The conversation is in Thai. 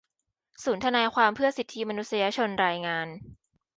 ศูนย์ทนายความเพื่อสิทธิมนุษยชน รายงาน